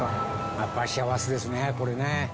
やっぱり幸せですね、これね。